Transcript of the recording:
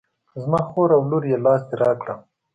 زما خور او لور یې لاس دې را کړه.